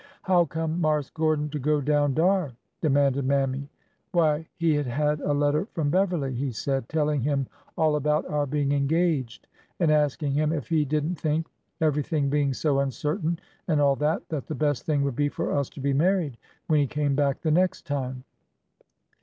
'' How come Marse Gordon to go down dar ?" de manded Mammy. '' Why, he had had a letter from Beverly, he said, telling him all about our being engaged and asking him if he did n't think— everything being so uncertain, and all that — that the best thing would be for us to be married when he came back the next time.